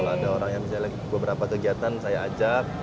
kalau ada orang yang misalnya beberapa kegiatan saya ajak